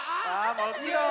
あもちろん！